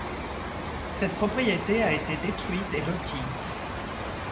Cette propriété a été détruite et lotie.